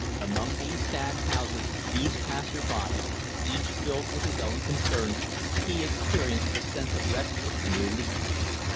Among these sad houses, these passers by, each filled with his own concerns, he experienced a sense of respite and relief.